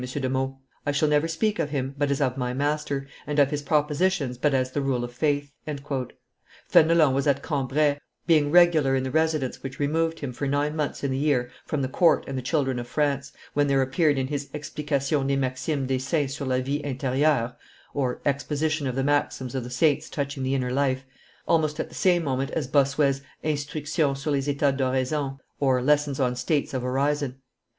de Meaux; I shall never speak of him but as of my master, and of his propositions but as the rule of faith." Fenelon was at Cambrai, being regular in the residence which removed him for nine months in the year from the court and the children of France, when there appeared his Explication des Maximes des Saints sur la Vie Interieure (Exposition of the Maxims of the Saints touching the Inner Life), almost at the same moment as Bossuet's Instruction sur les Etats d' Oraison (Lessons on States of Orison).